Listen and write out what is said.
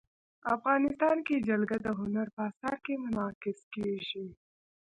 افغانستان کې جلګه د هنر په اثار کې منعکس کېږي.